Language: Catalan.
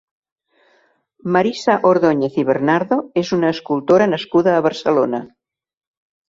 Marisa Ordóñez i Bernardo és una escultora nascuda a Barcelona.